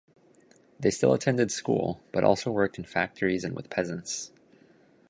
They still attended school, but also worked in factories and with peasants.